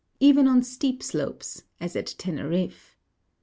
even on steep slopes, as at Teneriffe.